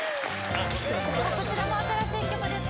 さあこちらも新しい曲です